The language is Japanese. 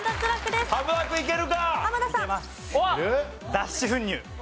脱脂粉乳。